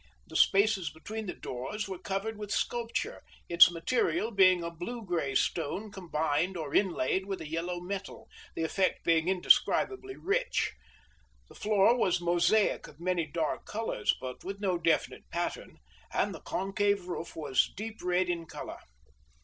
The spaces between the doors were covered with sculpture, its material being a blue gray stone combined or inlaid with a yellow metal, the effect being indescribably rich. The floor was mosaic of many dark colors, but with no definite pattern, and the concave roof was deep red in color.